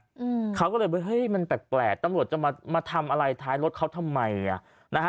อืมเขาก็เลยว่าเฮ้ยมันแปลกแปลกตำรวจจะมามาทำอะไรท้ายรถเขาทำไมอ่ะนะฮะ